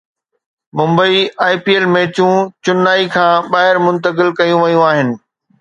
Mumbai I P L ميچون چنائي کان ٻاهر منتقل ڪيون ويون آهن